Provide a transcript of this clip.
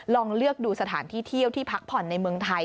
ลองเลือกดูสถานที่เที่ยวที่พักผ่อนในเมืองไทย